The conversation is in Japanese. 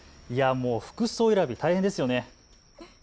服装選び、大変ですよね。